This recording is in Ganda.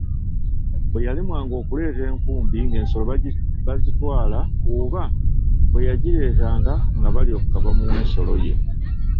Bwe yalemwanga okuleeta enkumbi ng’ensolo bazitwala oba bwe yagireetanga nga balyoka bamuwa ensolo ye.